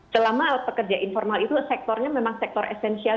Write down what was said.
selama pekerja informal itu sektornya memang sektor esensial